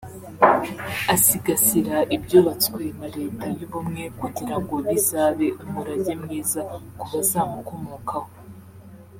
asigasira ibyubatswe na leta y’ubumwe kugira ngo bizabe umurage mwiza ku bazamukomokaho